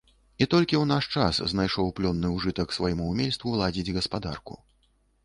І толькі ў наш час знайшоў плённы ўжытак свайму ўмельству ладзіць гаспадарку.